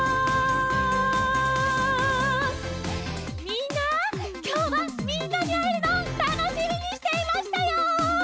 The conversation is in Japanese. みんなきょうはみんなにあえるのをたのしみにしていましたよ！